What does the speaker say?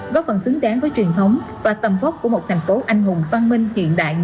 góp phần xứng đáng với truyền thống và tầm vót của một thành phố anh hùng văn minh hiện đại nghĩa tình